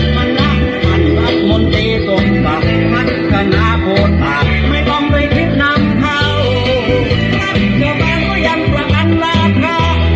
มันรักษัตริย์มนตรีส่วนต่างมันกระนาบโหดปากไม่ต้องไปคิดนำเขาครับเดี๋ยวแปลงก็ยังประกันล่ะค่ะ